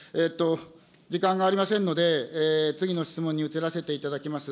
時間がありませんので、次の質問に移らせていただきます。